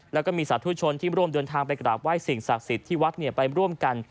แล้วก็มีสาธุชนที่ร่วมเดินทางไปกราบไห้สิ่งศักดิ์สิทธิ์ที่วัดไปร่วมกัน